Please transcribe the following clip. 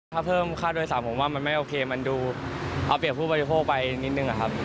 ถ้าเพิ่มค่าโดยสารผมว่ามันไม่โอเคมันดูเอาเปรียบผู้บริโภคไปนิดนึงอะครับ